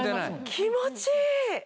気持ちいい！